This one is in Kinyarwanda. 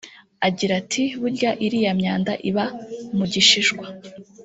Agira ati “Burya iriya myanda iba mu gishishwa